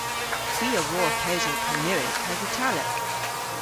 Hwi a wor kewsel Kernewek hag Italek.